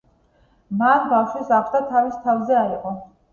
მან ბავშვის აღზრდა თავის თავზე აიღო.